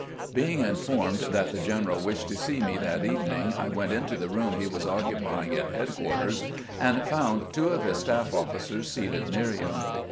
Being informed that the general wished to see me that evening, I went into the room he was occupying at headquarters, and found two of his staff officers seated near him.